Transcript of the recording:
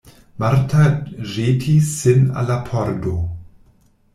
Marta ĵetis sin al la pordo.